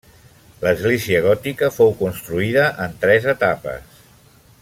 L'església gòtica fou construïda en tres etapes.